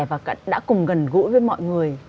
và đã cùng gần gũi với mọi người